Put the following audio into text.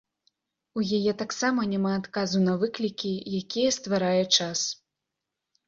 У яе таксама няма адказу на выклікі, якія стварае час.